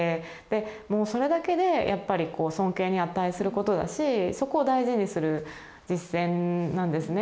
もうそれだけでやっぱり尊敬に値することだしそこを大事にする実践なんですね。